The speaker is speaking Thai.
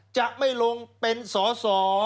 จะไม่ลงเป็นสอสอ